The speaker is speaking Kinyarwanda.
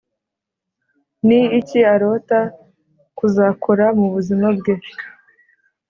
ni iki arota kuzakora mu buzima bwe?